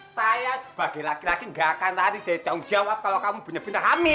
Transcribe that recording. saya sebagai laki laki gak akan lari dari jauh jauh kalau kamu benar benar hamil